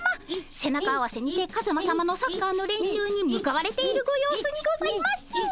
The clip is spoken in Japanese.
背中合わせにてカズマさまのサッカーの練習に向かわれているご様子にございます。